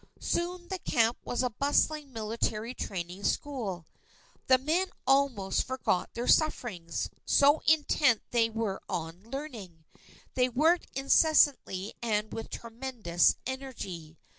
Soon the camp was a bustling military training school. The men almost forgot their sufferings, so intent they were on learning. They worked incessantly and with tremendous energy.